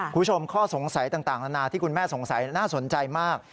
คุณผู้ชมข้อสงสัยต่างนานาที่คุณแม่สงสัยน่าสนใจมาก